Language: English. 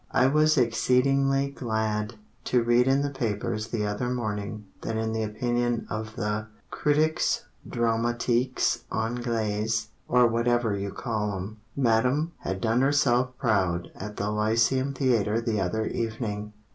I was exceedingly glad To read in the papers the other morning That in the opinion of the critics dramatiques Anglais, Or whatever you call 'em, Madame had done herself proud At the Lyceum Theatre the other evening.